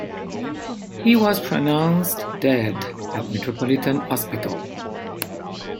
He was pronounced dead at Metropolitan Hospital.